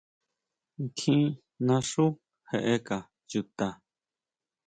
¿Nkjín naxú jeʼeka chuta?